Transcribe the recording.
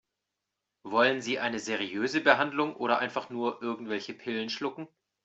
Wollen Sie eine seriöse Behandlung oder einfach nur irgendwelche Pillen schlucken?